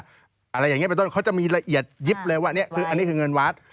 อะไรอย่างนี้เป็นต้นเขาจะมีละเอียดยิบเลยว่านี่คืออันนี้คือเงินวาด